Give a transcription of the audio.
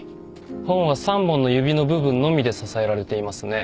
本は３本の指の部分のみで支えられていますね。